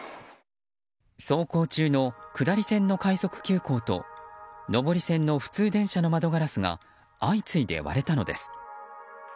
走行中の下り線の快速急行と上り線の普通電車の窓ガラスが相次いで割れたのです。